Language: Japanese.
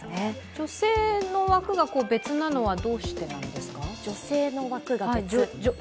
女性の枠が別なのは、どうしてなんですか？